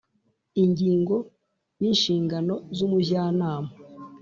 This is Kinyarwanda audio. Ingingo y Inshingano z umujyanama